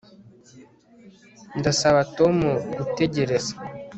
Ndasaba Tom gutegereza